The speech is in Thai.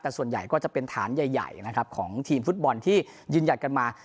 แต่ส่วนใหญ่ก็จะเป็นฐานใหญ่นะครับของทีมฟุตบอลที่ยืนหยัดกันมา